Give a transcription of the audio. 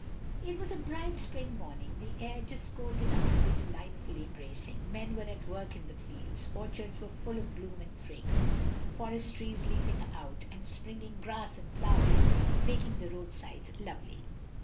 It was a bright spring morning, the air just cold enough to be delightfully bracing; men were at work in the fields, orchards were full of bloom and fragrance, forest trees leafing out, and springing grass and flowers making the roadsides lovely.